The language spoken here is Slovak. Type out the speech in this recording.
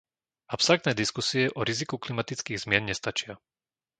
Abstraktné diskusie o riziku klimatických zmien nestačia.